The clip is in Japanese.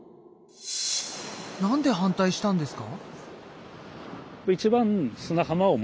なんで反対したんですか？